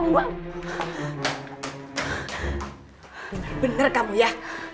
bener bener kamu ya